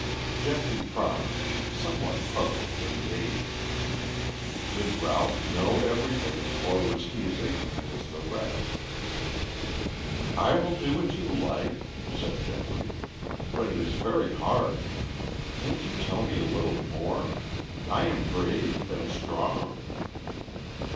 Geoffrey promised, somewhat puzzled and dazed. Did Ralph know everything, or was he as ignorant as the rest? "I will do what you like," said Geoffrey. "But it is very hard. Can't you tell me a little more? I am brave and strong."